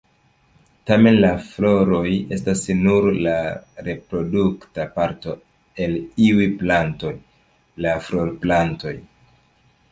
Tamen, la floroj estas nur la reprodukta parto el iuj plantoj: la florplantoj.